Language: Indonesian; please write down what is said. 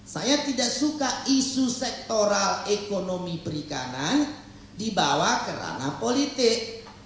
saya tidak suka isu sektoral ekonomi perikanan dibawa ke ranah politik